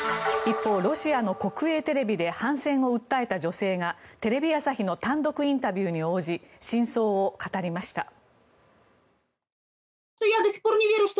一方、ロシアの国営テレビで反戦を訴えた女性がテレビ朝日の単独インタビューに応じ真相を語りました。